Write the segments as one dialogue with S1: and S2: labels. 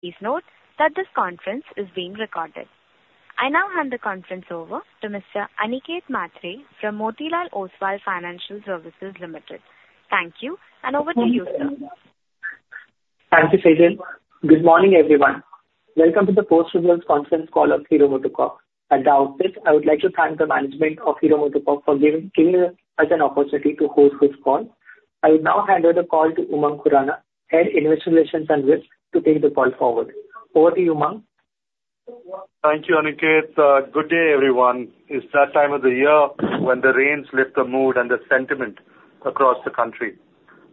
S1: Please note that this conference is being recorded. I now hand the conference over to Mr. Aniket Mhatre from Motilal Oswal Financial Services Limited. Thank you, and over to you, sir.
S2: Thank you, Sejal. Good morning, everyone. Welcome to the post results conference call of Hero MotoCorp. At the outset, I would like to thank the management of Hero MotoCorp for giving us an opportunity to host this call. I will now hand over the call to Umang Khurana, Head, Investor Relations and Risk, to take the call forward. Over to you, Umang.
S3: Thank you, Aniket. Good day, everyone. It's that time of the year when the rains lift the mood and the sentiment across the country.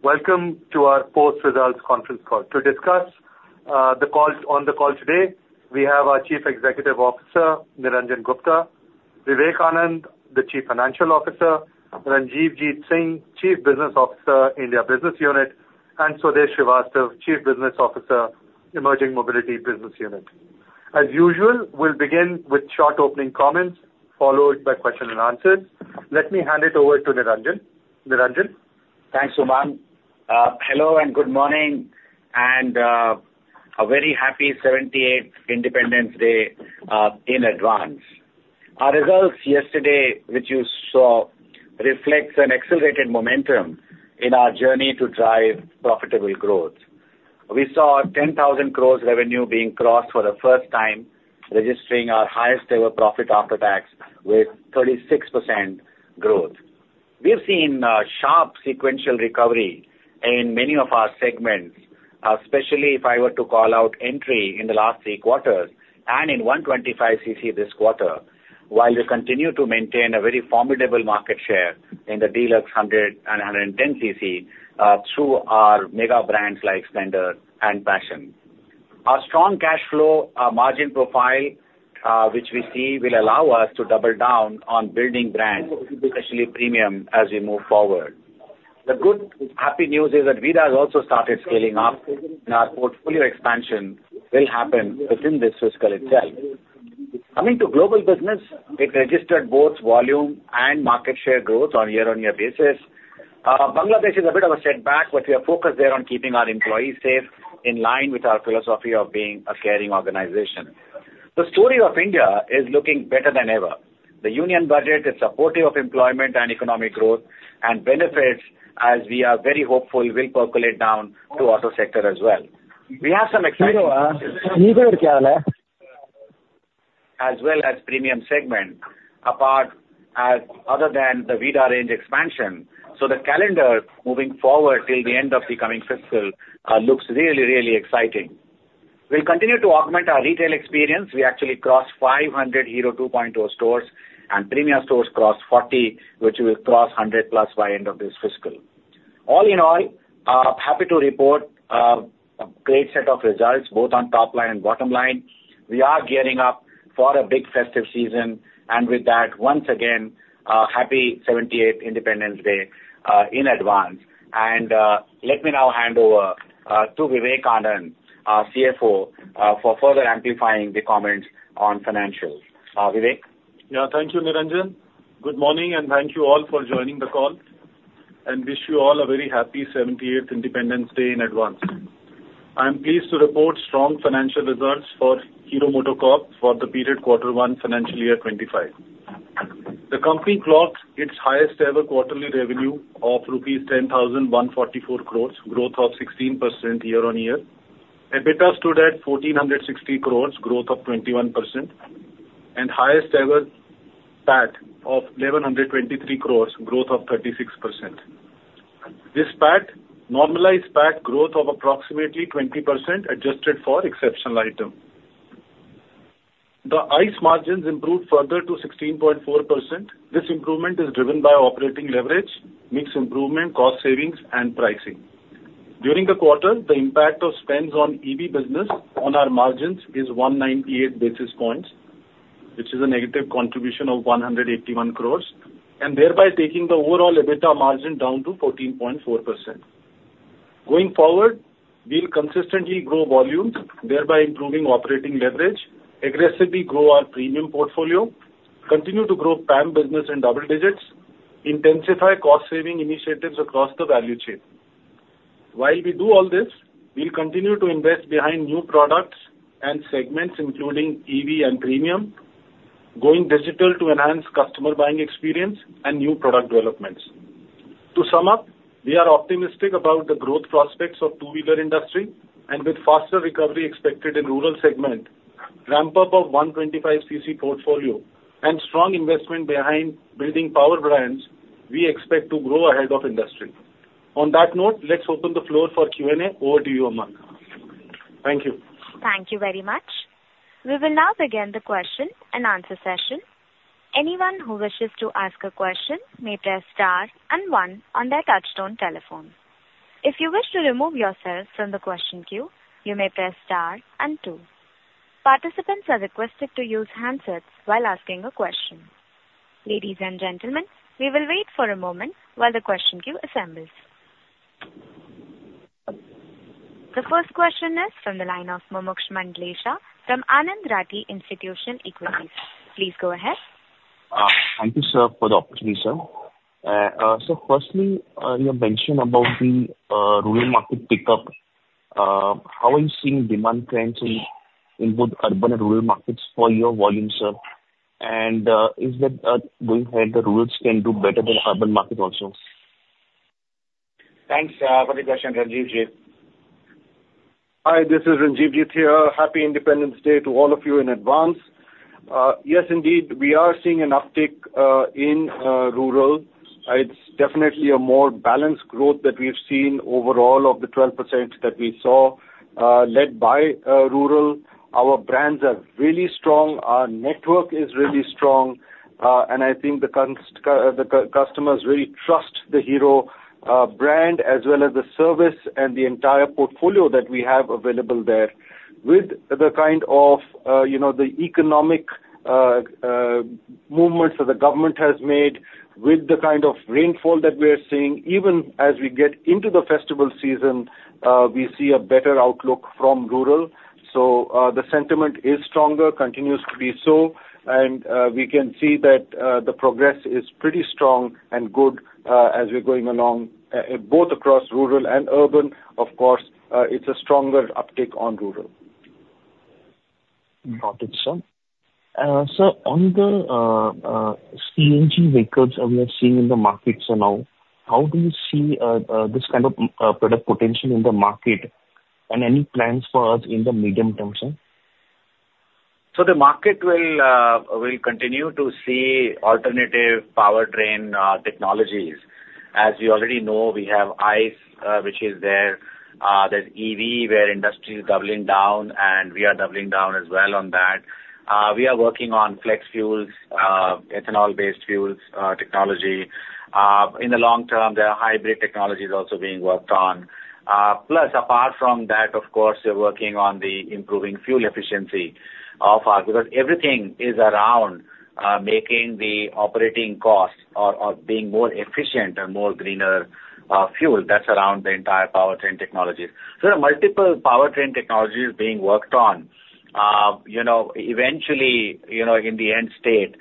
S3: Welcome to our post results conference call. To discuss on the call today, we have our Chief Executive Officer, Niranjan Gupta; Vivek Anand, the Chief Financial Officer; Ranjivjit Singh, Chief Business Officer, India Business Unit; and Swadesh Srivastava, Chief Business Officer, Emerging Mobility Business Unit. As usual, we'll begin with short opening comments, followed by question and answers. Let me hand it over to Niranjan. Niranjan?
S4: Thanks, Umang. Hello, and good morning, and a very happy 78th Independence Day in advance. Our results yesterday, which you saw, reflects an accelerated momentum in our journey to drive profitable growth. We saw 10,000 crore revenue being crossed for the first time, registering our highest ever profit after tax with 36% growth. We've seen sharp sequential recovery in many of our segments, especially if I were to call out Entry in the last three quarters and in 125cc this quarter, while we continue to maintain a very formidable market share in the Deluxe 100cc and 110cc, through our mega brands like Splendor and Passion. Our strong cash flow, our margin profile, which we see will allow us to double down on building brands, especially Premium, as we move forward. The good, happy news is that Vida has also started scaling up, and our portfolio expansion will happen within this fiscal itself. Coming to global business, it registered both volume and market share growth on year-on-year basis. Bangladesh is a bit of a setback, but we are focused there on keeping our employees safe, in line with our philosophy of being a caring organization. The story of India is looking better than ever. The Union Budget is supportive of employment and economic growth, and benefits, as we are very hopeful, will percolate down to auto sector as well. We have some exciting as well as Premium segment, apart from, other than the Vida range expansion. So the calendar moving forward till the end of the coming fiscal looks really, really exciting. We'll continue to augment our retail experience. We actually crossed 500 Hero 2.0 stores, and Premia stores crossed 40, which will cross 100+ by end of this fiscal. All in all, happy to report, a great set of results, both on top line and bottom line. We are gearing up for a big festive season, and with that, once again, happy 78th Independence Day, in advance. Let me now hand over to Vivek Anand, our CFO, for further amplifying the comments on financials. Vivek?
S5: Yeah. Thank you, Niranjan. Good morning, and thank you all for joining the call, and wish you all a very happy 78th Independence Day in advance. I am pleased to report strong financial results for Hero MotoCorp for the period Q1, financial year 2025. The company clocked its highest ever quarterly revenue of rupees 10,144 crore, growth of 16% year-on-year. EBITDA stood at 1,460 crore, growth of 21%, and highest ever PAT of 1,123 crore, growth of 36%. This PAT, normalized PAT growth of approximately 20%, adjusted for exceptional item. The ICE margins improved further to 16.4%. This improvement is driven by operating leverage, mix improvement, cost savings, and pricing. During the quarter, the impact of spends on EV business on our margins is 198 basis points, which is a negative contribution of 181 crore, and thereby taking the overall EBITDA margin down to 14.4%. Going forward, we'll consistently grow volumes, thereby improving operating leverage, aggressively grow our Premium portfolio, continue to grow PAM business in double digits, intensify cost saving initiatives across the value chain. While we do all this, we'll continue to invest behind new products and segments, including EV and Premium, going digital to enhance customer buying experience and new product developments. To sum up, we are optimistic about the growth prospects of two-wheeler industry, and with faster recovery expected in rural segment, ramp up of 125cc portfolio, and strong investment behind building power brands, we expect to grow ahead of industry. On that note, let's open the floor for Q&A. Over to you, Umang. Thank you.
S1: Thank you very much. We will now begin the question and answer session. Anyone who wishes to ask a question may press star and one on their touchtone telephone. If you wish to remove yourself from the question queue, you may press star and two. Participants are requested to use handsets while asking a question. Ladies and gentlemen, we will wait for a moment while the question queue assembles. The first question is from the line of Mumuksh Mandlesha from Anand Rathi Institutional Equities. Please go ahead.
S2: Thank you, sir, for the opportunity, sir. So firstly, you mentioned about the rural market pickup. How are you seeing demand trends in both urban and rural markets for your volume, sir? And, going ahead, the rurals can do better than urban market also?
S4: Thanks for the question, Ranjivjit.
S6: Hi, this is Ranjivjit here. Happy Independence Day to all of you in advance. Yes, indeed, we are seeing an uptick in rural. It's definitely a more balanced growth that we've seen overall of the 12% that we saw, led by rural. Our brands are really strong, our network is really strong, and I think the customers really trust the Hero brand, as well as the service and the entire portfolio that we have available there. With the kind of, you know, the economic movements that the government has made, with the kind of rainfall that we are seeing, even as we get into the festival season, we see a better outlook from rural. So, the sentiment is stronger, continues to be so, and we can see that the progress is pretty strong and good as we're going along both across rural and urban. Of course, it's a stronger uptick on rural.
S2: Got it, sir. Sir, on the CNG vehicles we are seeing in the market, so now, how do you see this kind of product potential in the market, and any plans for us in the medium term, sir?
S4: So the market will, will continue to see alternative powertrain, technologies. As you already know, we have ICE, which is there. There's EV, where industry is doubling down, and we are doubling down as well on that. We are working on flex fuels, ethanol-based fuels, technology. In the long term, there are hybrid technologies also being worked on. Plus, apart from that, of course, we're working on the improving fuel efficiency of our-- because everything is around, making the operating costs or being more efficient and more greener, fuel. That's around the entire powertrain technologies. There are multiple powertrain technologies being worked on. You know, eventually, you know, in the end state,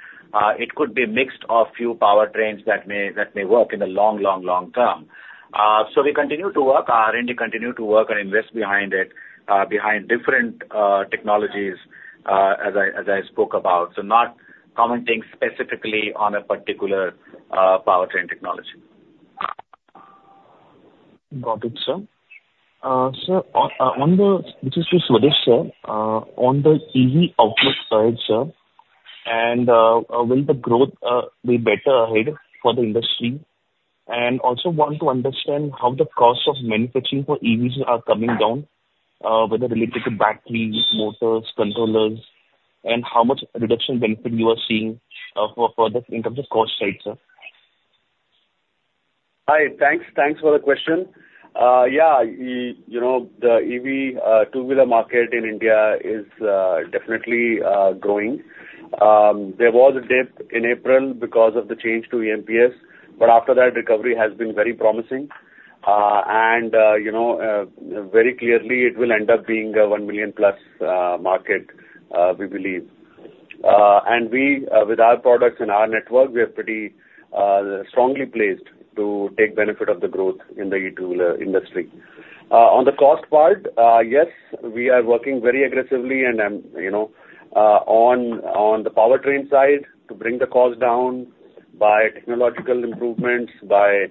S4: it could be a mix of few powertrains that may work in the long, long, long term. So we continue to work, our R&D continue to work and invest behind it, behind different, technologies, as I, as I spoke about, so not commenting specifically on a particular, powertrain technology.
S2: Got it, sir. Sir, on the—this is to Swadesh, sir. On the EV outlook side, sir, and will the growth be better ahead for the industry? And also want to understand how the costs of manufacturing for EVs are coming down, whether related to batteries, motors, controllers, and how much reduction benefit you are seeing for products in terms of cost side, sir.
S7: Hi, thanks. Thanks for the question. Yeah, you know, the EV two-wheeler market in India is definitely growing. There was a dip in April because of the change to EMPS, but after that, recovery has been very promising. And you know, very clearly, it will end up being a 1 million+ market, we believe. And we with our products and our network, we are pretty strongly placed to take benefit of the growth in the E-Two Wheeler industry. On the cost part, yes, we are working very aggressively and, you know, on the powertrain side, to bring the cost down by technological improvements, by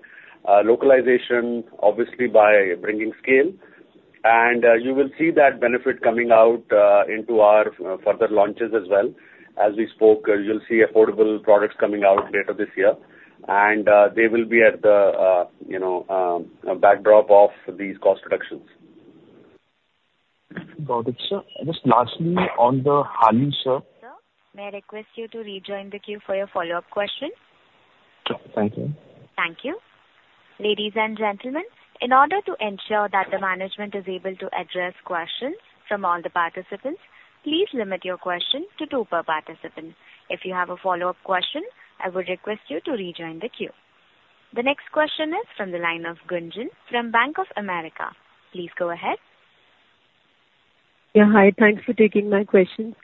S7: localization, obviously by bringing scale. And you will see that benefit coming out into our further launches as well. As we spoke, you'll see affordable products coming out later this year, and they will be at the, you know, backdrop of these cost reductions.
S2: Got it, sir. Just lastly, on the Harley, sir.
S1: Sir, may I request you to rejoin the queue for your follow-up question?
S2: Sure. Thank you.
S1: Thank you. Ladies and gentlemen, in order to ensure that the management is able to address questions from all the participants, please limit your questions to two per participant. If you have a follow-up question, I would request you to rejoin the queue. The next question is from the line of Gunjan from Bank of America. Please go ahead.
S2: Yeah, hi. Thanks for taking my questions.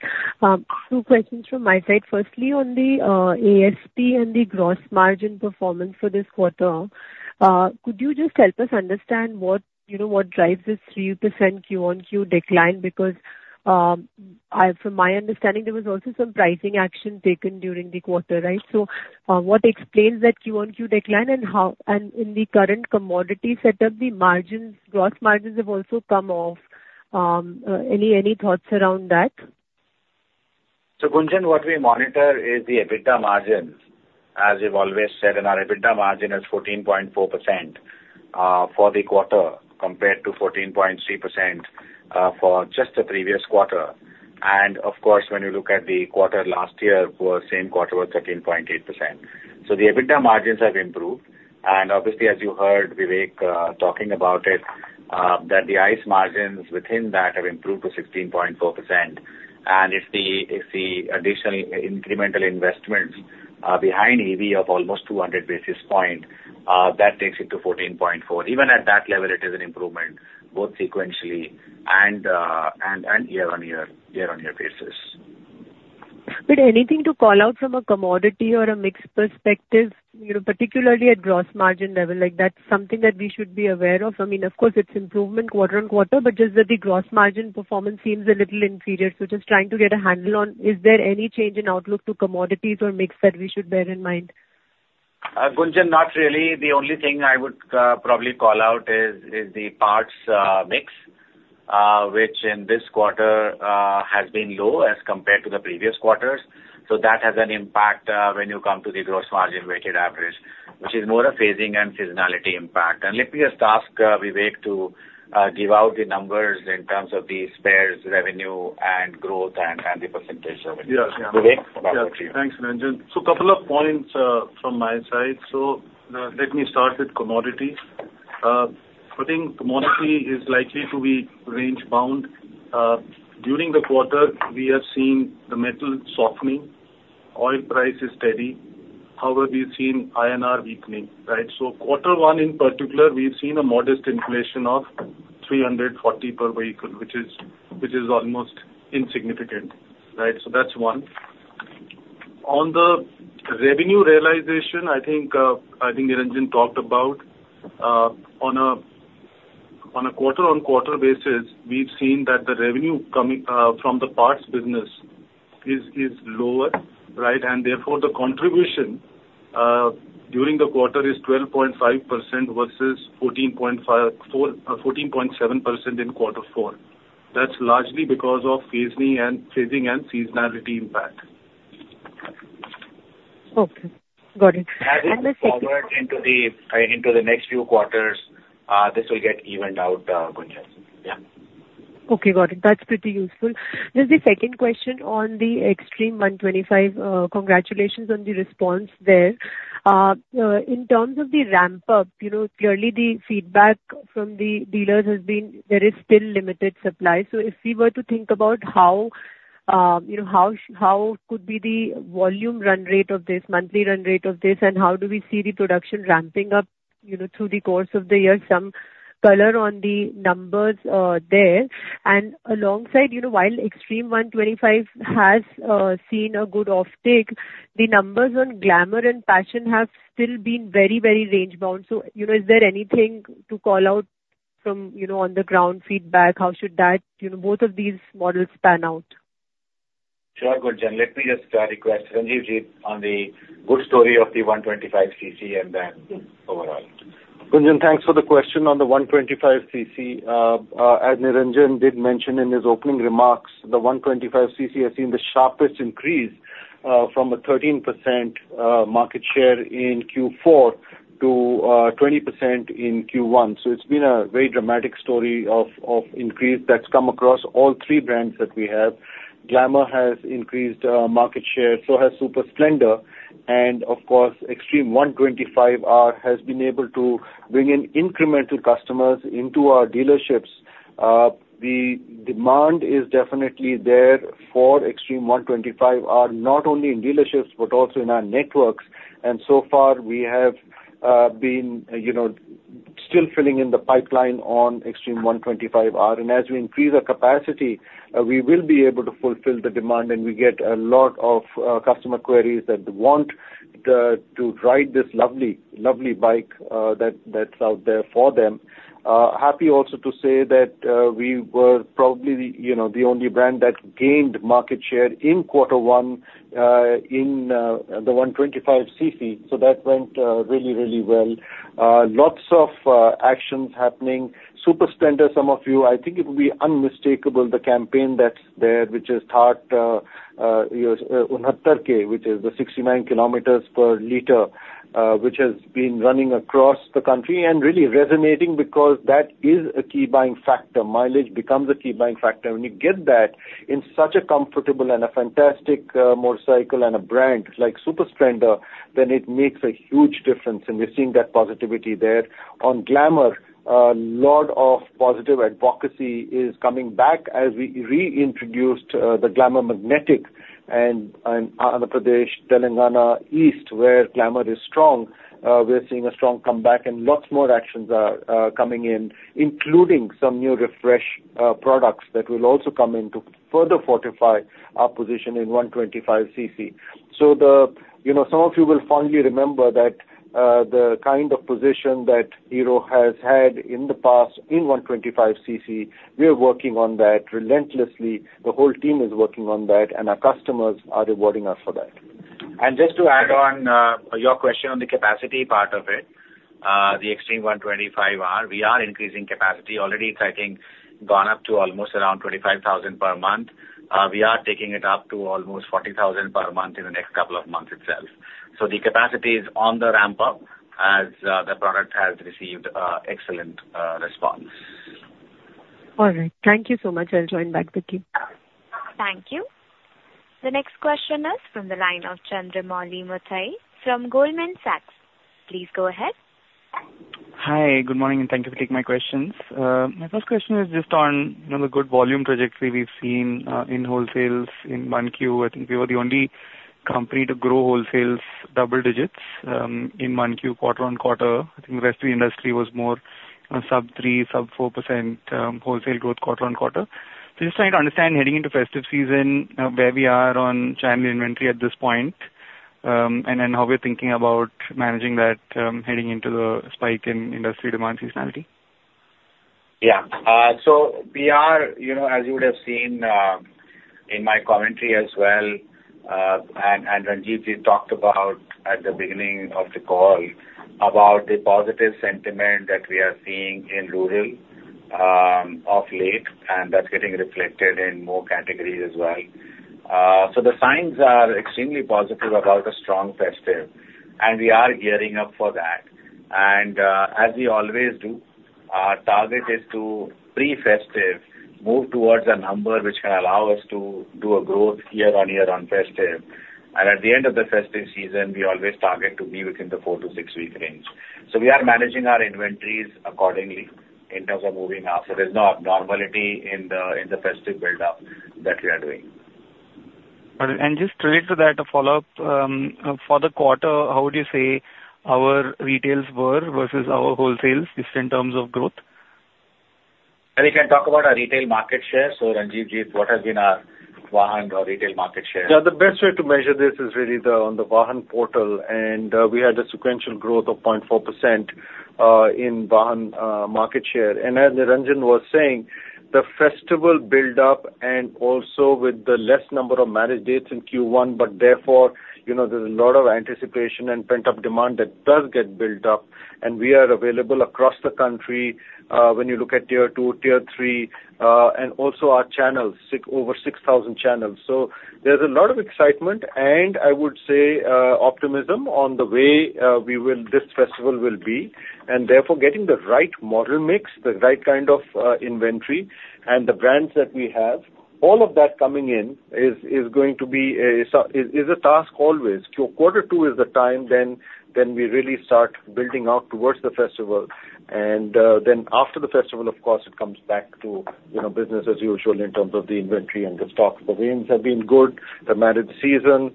S2: Two questions from my side. Firstly, on the ASP and the gross margin performance for this quarter, could you just help us understand what, you know, what drives this 3% Q-on-Q decline? Because, from my understanding, there was also some pricing action taken during the quarter, right? So, what explains that Q-on-Q decline, and how and in the current commodity setup, the margins, gross margins have also come off. Any thoughts around that?
S4: So, Gunjan, what we monitor is the EBITDA margins, as we've always said, and our EBITDA margin is 14.4%, for the quarter, compared to 14.3%, for just the previous quarter. And of course, when you look at the quarter last year, for the same quarter, was 13.8%. So the EBITDA margins have improved. And obviously, as you heard Vivek talking about it, that the ICE margins within that have improved to 16.4%. And it's the, it's the additional incremental investments behind EV of almost 200 basis point that takes it to 14.4. Even at that level, it is an improvement... both sequentially and, and, and year on year, year on year basis.
S8: But anything to call out from a commodity or a mix perspective, you know, particularly at gross margin level, like that's something that we should be aware of? I mean, of course, it's improvement quarter-over-quarter, but just that the gross margin performance seems a little inferior. So just trying to get a handle on, is there any change in outlook to commodities or mix that we should bear in mind?
S4: Gunjan, not really. The only thing I would probably call out is the parts mix, which in this quarter has been low as compared to the previous quarters. So that has an impact when you come to the gross margin weighted average, which is more a phasing and seasonality impact. And let me just ask Vivek to give out the numbers in terms of the spares revenue and growth and the percentage of it. Yeah, yeah. Vivek, over to you.
S5: Thanks, Niranjan. So a couple of points from my side. So, let me start with commodities. I think commodity is likely to be range bound. During the quarter, we have seen the metal softening, oil price is steady. However, we've seen INR weakening, right? So quarter one, in particular, we've seen a modest inflation of 340 per vehicle, which is, which is almost insignificant, right? So that's one. On the revenue realization, I think Niranjan talked about, on a quarter-on-quarter basis, we've seen that the revenue coming from the parts business is lower, right? And therefore, the contribution during the quarter is 12.5% versus 14.7% in quarter four. That's largely because of phasing and seasonality impact.
S8: Okay, got it. And the second.
S4: As we forward into the next few quarters, Gunjan. Yeah.
S8: Okay, got it. That's pretty useful. Just the second question on the Xtreme 125, congratulations on the response there. In terms of the ramp up, you know, clearly the feedback from the dealers has been there is still limited supply. So if we were to think about how, you know, how could be the volume run rate of this, monthly run rate of this, and how do we see the production ramping up, you know, through the course of the year? Some color on the numbers, there. And alongside, you know, while Xtreme 125 has seen a good offtake, the numbers on Glamour and Passion have still been very, very range bound. So, you know, is there anything to call out from, you know, on the ground feedback? How should that, you know, both of these models pan out?
S4: Sure, Gunjan. Let me just request Ranjivjit on the good story of the 125cc and then overall.
S6: Gunjan, thanks for the question on the 125cc. As Niranjan did mention in his opening remarks, the 125cc has seen the sharpest increase from a 13% market share in Q4 to 20% in Q1. So it's been a very dramatic story of increase that's come across all three brands that we have. Glamour has increased market share, so has Super Splendor, and of course, Xtreme 125R has been able to bring in incremental customers into our dealerships. The demand is definitely there for Xtreme 125R, not only in dealerships, but also in our networks. And so far we have been, you know, still filling in the pipeline on Xtreme 125R. As we increase our capacity, we will be able to fulfill the demand, and we get a lot of customer queries that want to ride this lovely, lovely bike that's out there for them. Happy also to say that we were probably the, you know, the only brand that gained market share in quarter one in the 125cc, so that went really, really well. Lots of actions happening. Super Splendor, some of you, I think it will be unmistakable, the campaign that's there, which has Saath Unhattar Ke, which is the 69 kilometers per liter, which has been running across the country and really resonating because that is a key buying factor. Mileage becomes a key buying factor. When you get that in such a comfortable and a fantastic motorcycle and a brand like Super Splendor, then it makes a huge difference, and we're seeing that positivity there. On Glamour, a lot of positive advocacy is coming back as we reintroduced the Glamour magnetic in Andhra Pradesh, Telangana, East, where Glamour is strong. We're seeing a strong comeback, and lots more actions are coming in, including some new refresh products that will also come in to further fortify our position in 125cc. You know, some of you will fondly remember that the kind of position that Hero has had in the past in 125cc, we are working on that relentlessly. The whole team is working on that, and our customers are rewarding us for that.
S4: And just to add on, your question on the capacity part of it, the Xtreme 125R, we are increasing capacity. Already, it's, I think, gone up to almost around 25,000 per month. We are taking it up to almost 40,000 per month in the next couple of months itself. So the capacity is on the ramp up, as the product has received excellent response.
S2: All right. Thank you so much. I'll join back with you.
S1: Thank you. The next question is from the line of Chandramouli Muthiah from Goldman Sachs. Please go ahead.
S2: Hi, good morning, and thank you for taking my questions. My first question is just on, you know, the good volume trajectory we've seen in wholesales in 1Q. I think we were the only company to grow wholesales double digits in 1Q quarter-on-quarter. I think the rest of the industry was more, you know, sub-3, sub-4% wholesale growth quarter-on-quarter. So just trying to understand, heading into festive season, where we are on channel inventory at this point, and then how we're thinking about managing that, heading into the spike in industry demand seasonality?
S4: Yeah. So we are, you know, as you would have seen, in my commentary as well, and, and Ranjivjit, we talked about at the beginning of the call, about the positive sentiment that we are seeing in rural, of late, and that's getting reflected in more categories as well. So the signs are extremely positive about a strong festive, and we are gearing up for that. And, as we always do, our target is to pre-festive move towards a number which can allow us to do a growth year on year on festive. And at the end of the festive season, we always target to be within the 4-6 week range. So we are managing our inventories accordingly in terms of moving up. So there's no abnormality in the festive buildup that we are doing.
S2: Just related to that, a follow-up, for the quarter, how would you say our retails were versus our wholesales, just in terms of growth?
S4: We can talk about our retail market share. So Ranjivjit, what has been our Vahan or retail market share?
S6: Yeah, the best way to measure this is really the, on the Vahan portal, and, we had a sequential growth of 0.4%, in Vahan, market share. And as Niranjan was saying, the festival build up and also with the less number of marriage dates in Q1, but therefore, you know, there's a lot of anticipation and pent-up demand that does get built up, and we are available across the country, when you look at Tier 2, Tier 3, and also our channels, over 6,000 channels. So there's a lot of excitement, and I would say, optimism on the way, we will—this festival will be. Therefore, getting the right model mix, the right kind of inventory and the brands that we have, all of that coming in is going to be a task always. Quarter two is the time then we really start building out towards the festival. Then after the festival, of course, it comes back to, you know, business as usual in terms of the inventory and the stock. The rains have been good. The marriage season,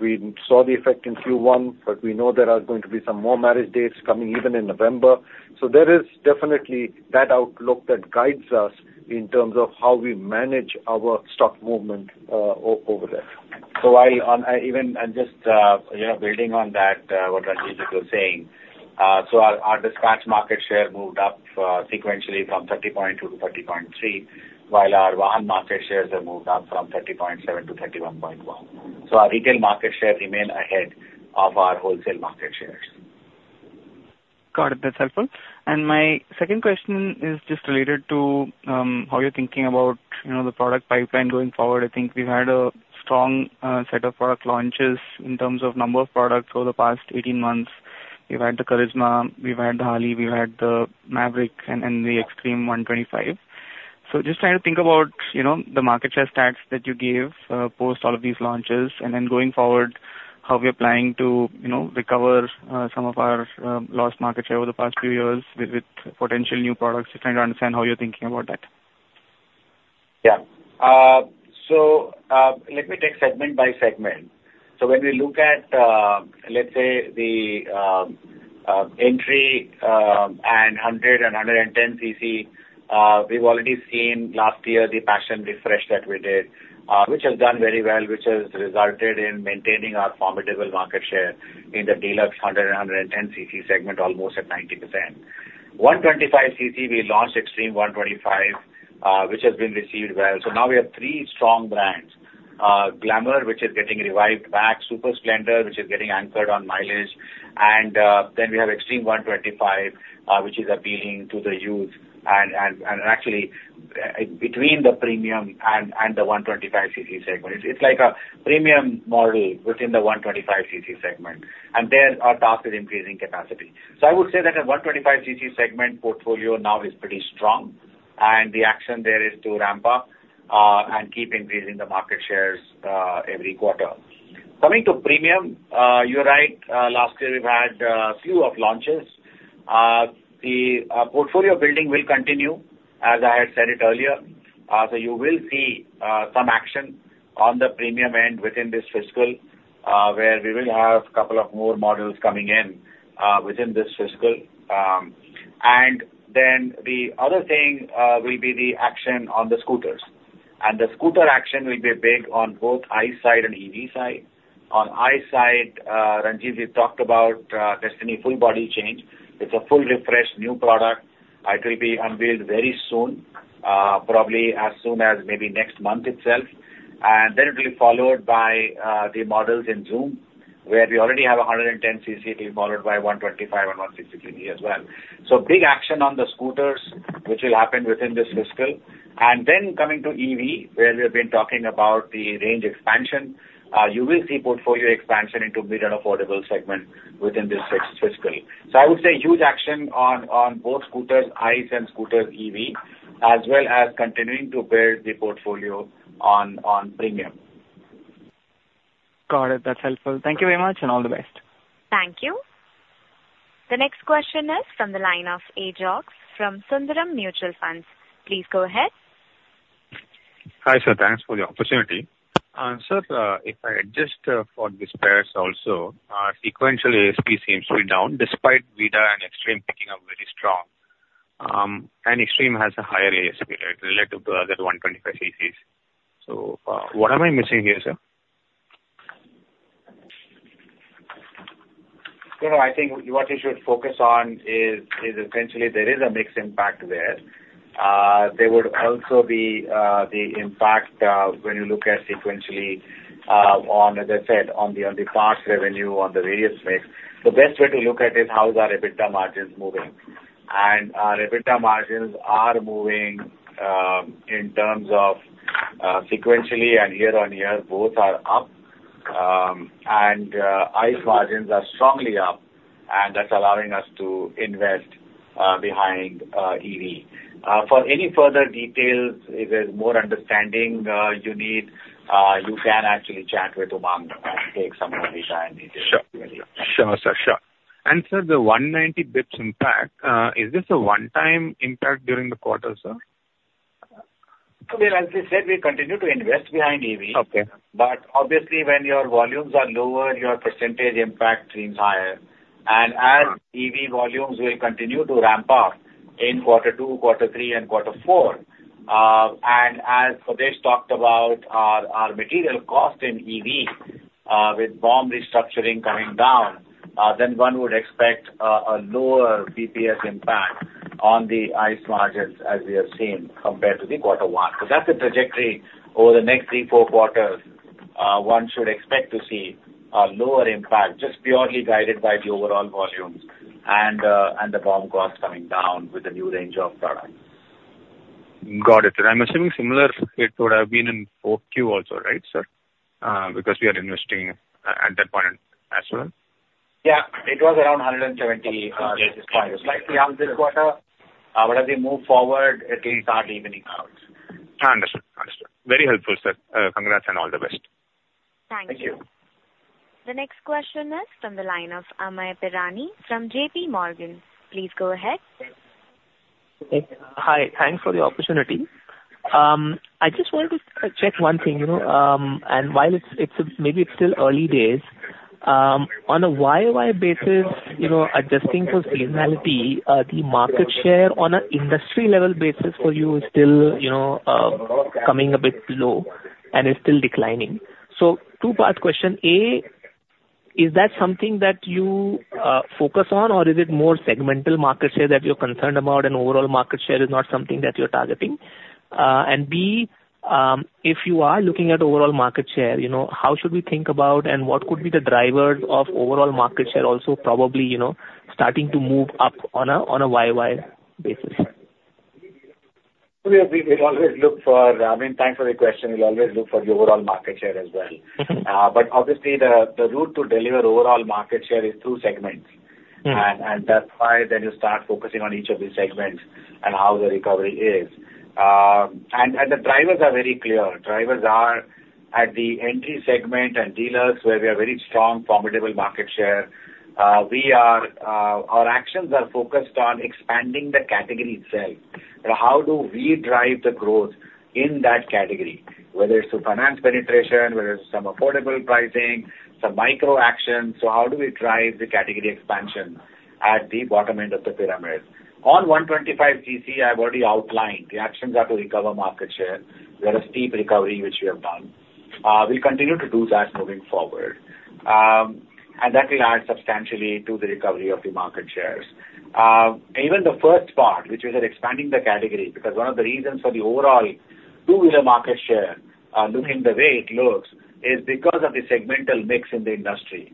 S6: we saw the effect in Q1, but we know there are going to be some more marriage dates coming even in November. So there is definitely that outlook that guides us in terms of how we manage our stock movement over there.
S4: So, you know, building on that, what Ranjivjit was saying, so our dispatch market share moved up sequentially from 30.2% to 30.3%, while our Vahan market shares have moved up from 30.7% to 31.1%. So our retail market share remain ahead of our wholesale market shares.
S2: Got it. That's helpful. My second question is just related to how you're thinking about, you know, the product pipeline going forward. I think we've had a strong set of product launches in terms of number of products over the past 18 months. We've had the Karizma, we've had the Harley, we've had the Mavrick, and the Xtreme 125. So just trying to think about, you know, the market share stats that you gave post all of these launches, and then going forward, how we're planning to, you know, recover some of our lost market share over the past few years with potential new products. Just trying to understand how you're thinking about that.
S4: Yeah. So, let me take segment by segment. So when we look at, let's say, the Entry and 100cc and 110cc, we've already seen last year the Passion refresh that we did, which has done very well, which has resulted in maintaining our formidable market share in the Deluxe 110cc segment, almost at 90%. 125cc, we launched Xtreme 125, which has been received well. So now we have three strong brands, Glamour, which is getting revived back, Super Splendor, which is getting anchored on mileage, and then we have Xtreme 125, which is appealing to the youth and actually between the Premium and the 125cc segment. It's like a Premium model within the 125cc segment, and there our task is increasing capacity. So I would say that a 125cc segment portfolio now is pretty strong, and the action there is to ramp up, and keep increasing the market shares, every quarter. Coming to Premium, you're right. Last year we've had a few launches. The portfolio building will continue, as I had said it earlier. So you will see, some action on the Premium end within this fiscal, where we will have couple of more models coming in, within this fiscal. And then the other thing, will be the action on the scooters. And the scooter action will be big on both ICE side and EV side. On ICE side, Ranjivjit, we talked about, Destini full body change. It's a full refresh, new product. It will be unveiled very soon, probably as soon as maybe next month itself. And then it will be followed by the models in Xoom, where we already have a 110cc, followed by 125 and 160cc as well. So big action on the scooters, which will happen within this fiscal. And then coming to EV, where we have been talking about the range expansion, you will see portfolio expansion into mid and affordable segment within this fiscal. So I would say huge action on both scooters, ICE and scooters EV, as well as continuing to build the portfolio on Premium.
S2: Got it. That's helpful. Thank you very much, and all the best.
S1: Thank you. The next question is from the line of Ajox from Sundaram Mutual Fund. Please go ahead.
S2: Hi, sir. Thanks for the opportunity. Sir, if I adjust for these pairs also, our sequential ASP seems to be down, despite Vida and Xtreme picking up very strong, and Xtreme has a higher ASP rate relative to other 125cc's. So, what am I missing here, sir?
S4: You know, I think what you should focus on is essentially there is a mixed impact there. There would also be the impact when you look at sequentially, on, as I said, on the, on the parts revenue, on the various mix. The best way to look at it, how is our EBITDA margins moving? And our EBITDA margins are moving in terms of sequentially and year-on-year, both are up. And ICE margins are strongly up, and that's allowing us to invest behind EV. For any further details, if there's more understanding you need, you can actually chat with Umang and take some more time with you.
S2: Sure. Sure, sir. Sure. And sir, the 190 basis points impact, is this a one-time impact during the quarter, sir?
S4: As we said, we continue to invest behind EV.
S2: Okay.
S4: Obviously, when your volumes are lower, your percentage impact seems higher. As EV volumes will continue to ramp up in quarter two, quarter three and quarter four, and as Swadesh talked about, our, our material cost in EV, with BOM restructuring coming down, then one would expect, a lower BPS impact on the ICE margins, as we have seen compared to the quarter one. So that's the trajectory over the next three, four quarters, one should expect to see a lower impact, just purely guided by the overall volumes and the, and the BOM costs coming down with the new range of products.
S2: Got it. I'm assuming similar it would have been in 4Q also, right, sir? Because we are investing at that point as well.
S4: Yeah, it was around 170 basis points, slightly up this quarter. But as we move forward, it will start evening out.
S2: Understood. Understood. Very helpful, sir. Congrats and all the best.
S4: Thank you.
S1: Thank you. The next question is from the line of Amyn Pirani from JPMorgan. Please go ahead.
S9: Hi, thanks for the opportunity. I just wanted to check one thing, you know, and while it's maybe still early days, on a YoY basis, you know, adjusting for seasonality, the market share on an industry level basis for you is still, you know, coming a bit low and is still declining. So two-part question: A, is that something that you focus on, or is it more segmental market share that you're concerned about, and overall market share is not something that you're targeting? And B, if you are looking at overall market share, you know, how should we think about and what could be the drivers of overall market share also, probably, you know, starting to move up on a, on a YoY basis?
S4: We will always look for... I mean, thanks for the question. We'll always look for the overall market share as well.
S9: Mm-hmm.
S4: But obviously, the route to deliver overall market share is through segments. And that's why you start focusing on each of these segments and how the recovery is. And the drivers are very clear. Drivers are at the Entry segment and dealers, where we have very strong, formidable market share. We are, our actions are focused on expanding the category itself. How do we drive the growth in that category? Whether it's through finance penetration, whether it's some affordable pricing, some micro actions. So how do we drive the category expansion at the bottom end of the pyramid? On 125cc, I've already outlined, the actions are to recover market share. We had a steep recovery, which we have done. We'll continue to do that moving forward. And that will add substantially to the recovery of the market shares. Even the first part, which is at expanding the category, because one of the reasons for the overall two-wheeler market share, looking the way it looks, is because of the segmental mix in the industry,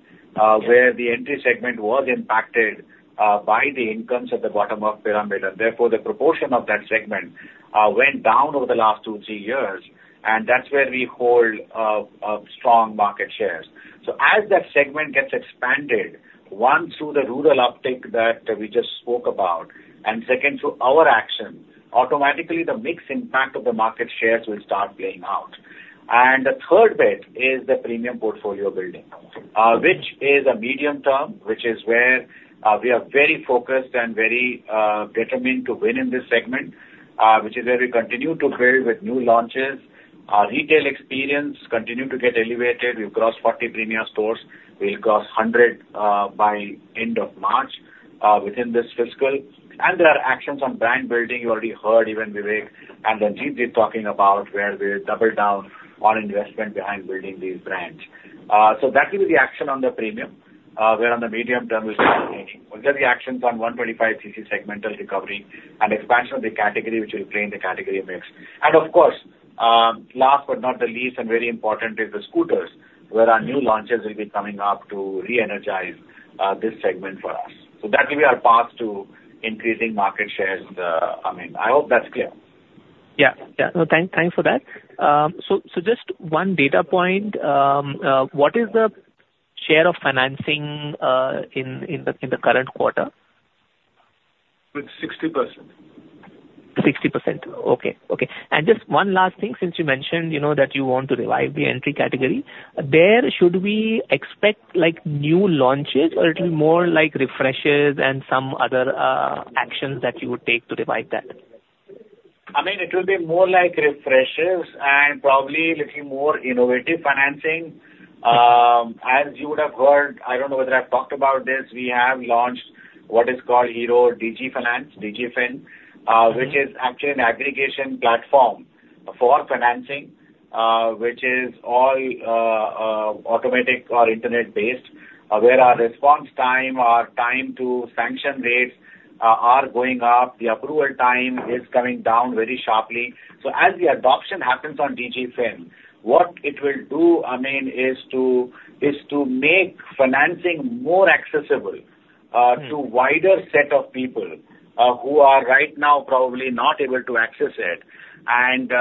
S4: where the Entry segment was impacted, by the incomes at the bottom of pyramid. And therefore, the proportion of that segment, went down over the last two, three years, and that's where we hold, a strong market shares. So as that segment gets expanded, one, through the rural uptick that we just spoke about, and second, through our actions, automatically, the mix impact of the market shares will start playing out. And the third bit is the Premium portfolio building, which is a medium term, which is where, we are very focused and very, determined to win in this segment. Which is where we continue to build with new launches. Our retail experience continue to get elevated. We've crossed 40 Premia stores. We'll cross 100, by end of March, within this fiscal. And there are actions on brand building. You already heard even Vivek and Ranjivjit talking about, where we've doubled down on investment behind building these brands. So that will be the action on the Premium, where on the medium term will be changing. Those are the actions on 125cc segmental recovery and expansion of the category, which will play in the category mix. And of course, last but not the least, and very important, is the scooters, where our new launches will be coming up to re-energize, this segment for us. So that will be our path to increasing market shares in the... I mean, I hope that's clear.
S9: Yeah. Yeah, no, thanks for that. So just one data point, what is the share of financing in the current quarter?
S5: With 60%.
S9: 60%. Okay, okay. And just one last thing, since you mentioned, you know, that you want to revive the Entry category, there, should we expect, like, new launches or it'll be more like refreshes and some other actions that you would take to revive that?
S4: I mean, it will be more like refreshes and probably looking more innovative financing. As you would have heard, I don't know whether I've talked about this, we have launched what is called Hero Digi Finance, DigiFin, which is actually an aggregation platform for financing, which is all automatic or internet-based, where our response time, our time to sanction rates, are going up, the approval time is coming down very sharply. So as the adoption happens on DigiFin, what it will do, Amyn, is to make financing more accessible to wider set of people who are right now probably not able to access it. And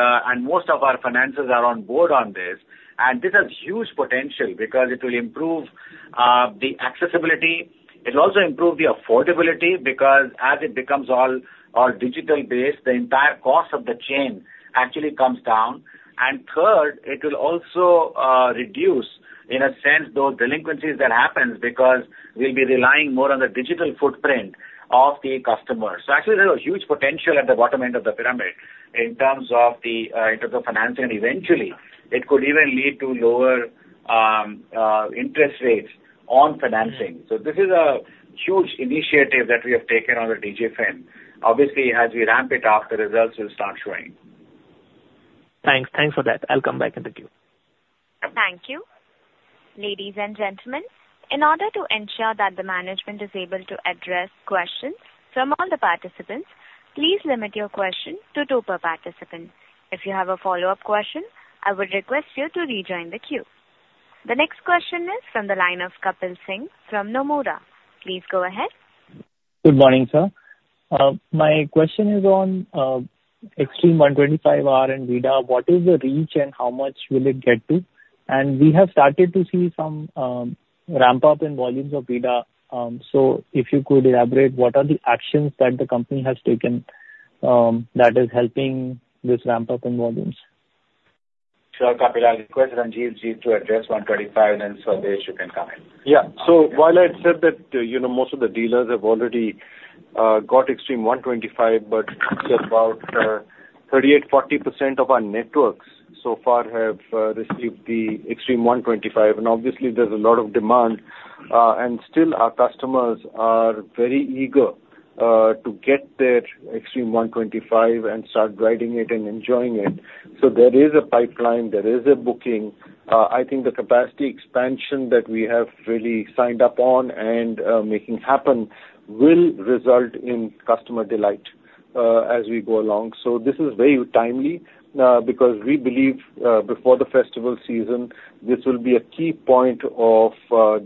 S4: most of our financers are on board on this. And this has huge potential because it will improve the accessibility. It'll also improve the affordability, because as it becomes all, all digital-based, the entire cost of the chain actually comes down. And third, it will also reduce, in a sense, those delinquencies that happens because we'll be relying more on the digital footprint of the customer. So actually, there's a huge potential at the bottom end of the pyramid in terms of the, in terms of financing. Eventually, it could even lead to lower interest rates on financing. So this is a huge initiative that we have taken on the DigiFin. Obviously, as we ramp it up, the results will start showing.
S9: Thanks. Thanks for that. I'll come back in the queue.
S1: Thank you. Ladies and gentlemen, in order to ensure that the management is able to address questions from all the participants, please limit your question to two per participant. If you have a follow-up question, I would request you to rejoin the queue. The next question is from the line of Kapil Singh from Nomura. Please go ahead.
S10: Good morning, sir. My question is on Xtreme 125R and Vida. What is the reach and how much will it get to? And we have started to see some ramp-up in volumes of Vida. So if you could elaborate, what are the actions that the company has taken that is helping this ramp-up in volumes?
S4: Sure, Kapil, I request Ranjiv, Ranjivjit to address 125, and then, Swadesh, you can comment.
S6: Yeah. So while I had said that, you know, most of the dealers have already got Xtreme 125, but just about 38%-40% of our networks so far have received the Xtreme 125. And obviously, there's a lot of demand, and still our customers are very eager to get their Xtreme 125 and start riding it and enjoying it. So there is a pipeline, there is a booking. I think the capacity expansion that we have really signed up on and making happen will result in customer delight as we go along. So this is very timely, because we believe, before the festival season, this will be a key point of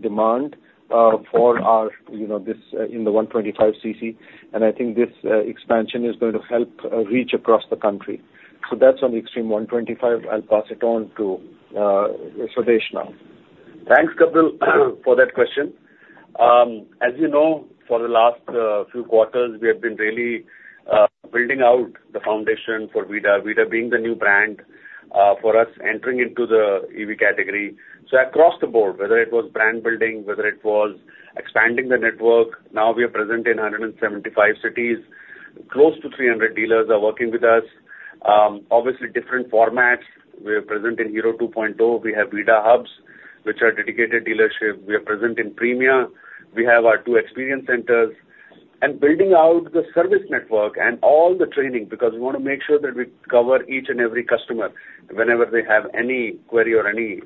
S6: demand for our, you know, this in the 125cc. And I think this expansion is going to help reach across the country. So that's on the Xtreme 125. I'll pass it on to Swadesh now.
S7: Thanks, Kapil, for that question. As you know, for the last few quarters, we have been really building out the foundation for Vida. Vida being the new brand for us entering into the EV category. So across the board, whether it was brand building, whether it was expanding the network, now we are present in 175 cities. Close to 300 dealers are working with us. Obviously, different formats. We are present in Hero 2.0. We have Vida hubs, which are dedicated dealership. We are present in Premia. We have our two experience centers. Building out the service network and all the training, because we want to make sure that we cover each and every customer whenever they have any query or any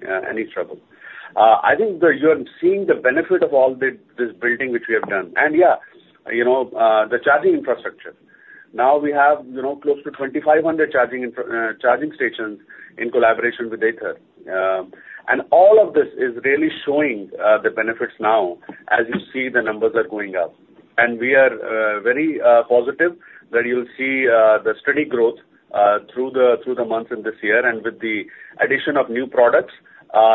S7: trouble. I think that you are seeing the benefit of all this building, which we have done. Yeah, you know, the charging infrastructure. Now we have, you know, close to 2,500 charging stations in collaboration with Ather. And all of this is really showing the benefits now, as you see, the numbers are going up. We are very positive that you'll see the steady growth through the months in this year. With the addition of new products,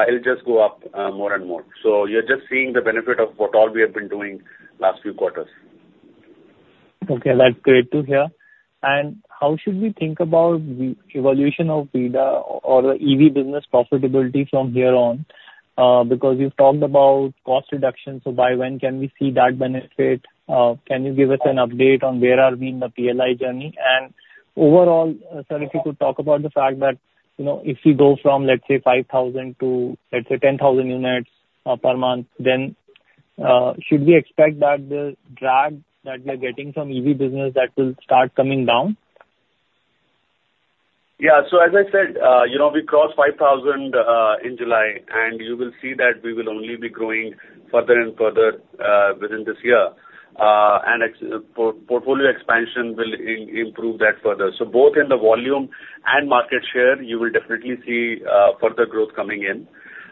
S7: it'll just go up, more and more. You're just seeing the benefit of what all we have been doing last few quarters.
S10: Okay, that's great to hear. And how should we think about the evolution of Vida or the EV business profitability from here on? Because you've talked about cost reduction, so by when can we see that benefit? Can you give us an update on where are we in the PLI journey? And overall, sir, if you could talk about the fact that, you know, if we go from, let's say, 5,000 to, let's say, 10,000 units per month, then should we expect that the drag that we are getting from EV business, that will start coming down?
S7: Yeah. So as I said, you know, we crossed 5,000 in July, and you will see that we will only be growing further and further within this year. And portfolio expansion will improve that further. So both in the volume and market share, you will definitely see further growth coming in.